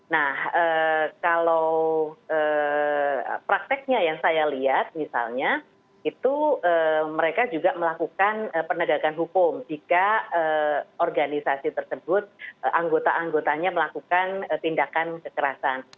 nah kalau prakteknya yang saya lihat misalnya itu mereka juga melakukan penegakan hukum jika organisasi tersebut anggota anggotanya melakukan tindakan kekerasan